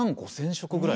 食ぐらい。